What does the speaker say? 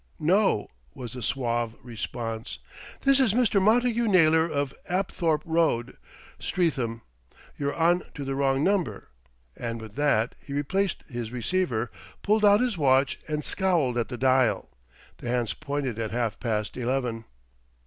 "No," was the suave response. "This is Mr. Montagu Naylor of Apthorpe Road, Streatham. You're on to the wrong number;" and with that he replaced his receiver, pulled out his watch and scowled at the dial. The hands pointed to half past eleven.